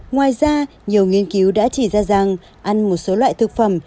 ngoài ra nhiều nghiên cứu đã chỉ ra rằng ăn một số loại thực phẩm